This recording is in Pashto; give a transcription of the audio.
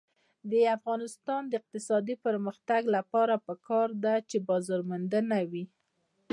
د افغانستان د اقتصادي پرمختګ لپاره پکار ده چې بازارموندنه وي.